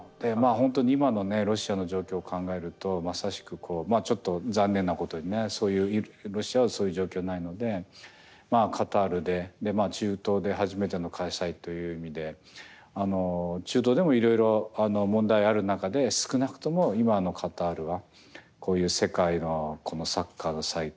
本当に今のねロシアの状況を考えるとまさしくちょっと残念なことにねロシアはそういう状況にないのでカタールでまあ中東で初めての開催という意味で中東でもいろいろ問題ある中で少なくとも今のカタールはこういう世界のこのサッカーの祭典を開ける。